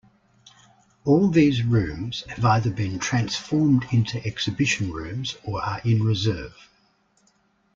All these rooms have either been transformed into exhibition rooms or are in reserve.